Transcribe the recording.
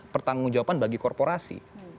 pertanggung jawaban bagi korporasi